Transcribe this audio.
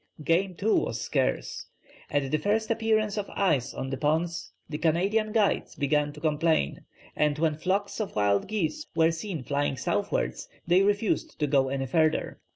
Game too was scarce. At the first appearance of ice on the ponds the Canadian guides began to complain; and when flocks of wild geese were seen flying southwards they refused to go any further.